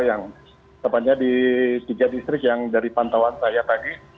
yang tepatnya di tiga distrik yang dari pantauan saya pagi